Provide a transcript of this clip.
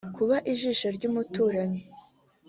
kuba ijisho ry’umuturanyi